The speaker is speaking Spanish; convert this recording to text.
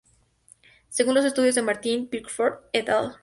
Según los estudios de Martin Pickford "et al.